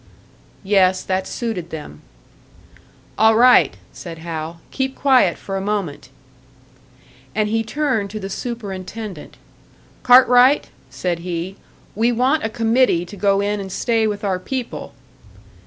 Yes, that suited them. "All right," said Hal. "Keep quiet for a moment." And he turned to the superintendent. "Cartwright," said he, "we want a committee to go in and stay with our people."